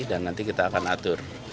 dan nanti kita akan atur